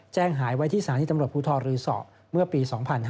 แจ้งหายไว้ที่สถานีตำรวจภูทรรือสอเมื่อปี๒๕๕๙